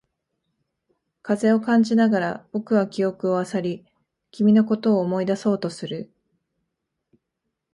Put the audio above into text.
風を感じながら、僕は記憶を漁り、君のことを思い出そうとする。